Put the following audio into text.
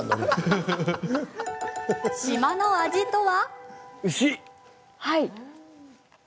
島の味とは。